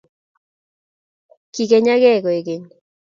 Kigenaygei koeg keny